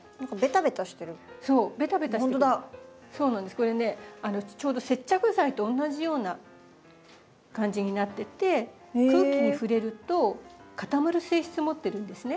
これねちょうど接着剤とおんなじような感じになってて空気に触れると固まる性質を持ってるんですね。